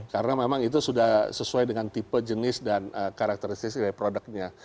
karena memang itu sudah sesuai dengan tipe jenis dan karakteristik dari produknya